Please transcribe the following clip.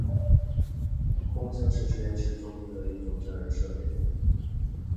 烘箱是实验室中的一种加热设备。